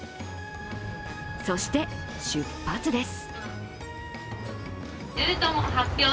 そして出発です。